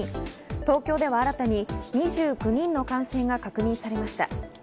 東京では新たに２９人の感染者が確認されました。